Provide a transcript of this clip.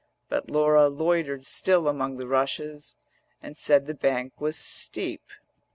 But Laura loitered still among the rushes And said the bank was steep.